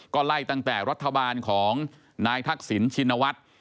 ก็ไล่ตั้งแต่รัฐบาลของนายทักษิณชินวัฒน์